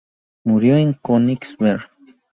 Murió en Königsberg.